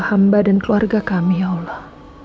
hamba dan keluarga kami ya allah